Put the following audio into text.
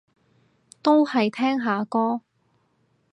都係聽下歌